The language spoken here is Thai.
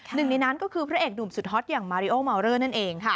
หนึ่งในนั้นก็คือพระเอกหนุ่มสุดฮอตอย่างมาริโอมาวเลอร์นั่นเองค่ะ